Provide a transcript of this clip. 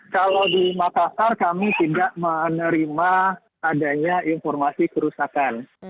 kalau di makassar kami tidak menerima adanya informasi kerusakan